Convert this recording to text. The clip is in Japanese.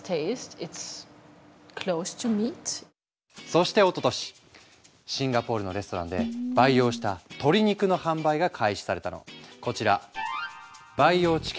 そしておととしシンガポールのレストランで培養した鶏肉の販売が開始されたの。